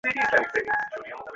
এই নাও কিছু টাকা।